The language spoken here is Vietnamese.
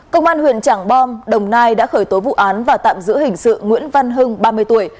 công an huyện trảng bom đồng nai đã khởi tố vụ án và tạm giữ hình sự nguyễn văn hưng ba mươi tuổi